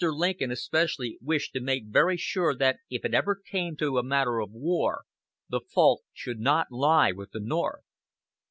Lincoln especially wished to make very sure that if it ever came to a matter of war, the fault should not lie with the North.